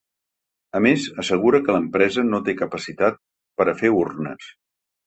A més, assegura que l’empresa no té capacitat per a fer urnes.